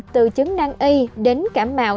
từ chứng năng y đến cảm mạo